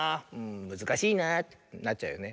「むずかしいな」ってなっちゃうよね。